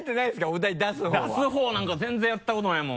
お題出す方は出す方なんか全然やったことないもん。